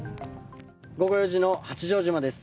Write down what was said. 午後４時の八丈島です。